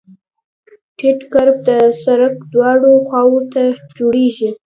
ټیټ کرب د سرک دواړو خواو ته جوړیږي